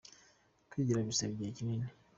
Kwigira bisaba igihe kinini.